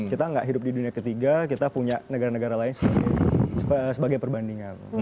kita tidak hidup di dunia ketiga kita punya negara negara lain sebagai perbandingan